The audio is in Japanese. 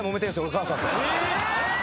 お母さんと。